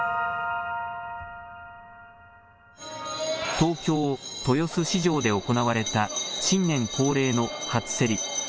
東京豊洲市場で行われた新年恒例の初競り。